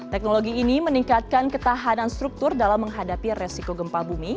teknologi ini meningkatkan ketahanan struktur dalam menghadapi resiko gempa bumi